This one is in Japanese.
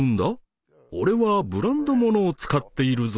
俺はブランドものを使っているぞ」